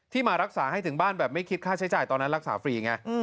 มารักษาให้ถึงบ้านแบบไม่คิดค่าใช้จ่ายตอนนั้นรักษาฟรีไง